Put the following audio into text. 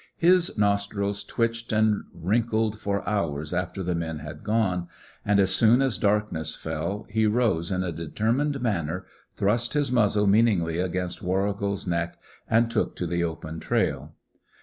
His nostrils twitched and wrinkled for hours after the men had gone; and, as soon as darkness fell, he rose in a determined manner, thrust his muzzle meaningly against Warrigal's neck and took to the open trail.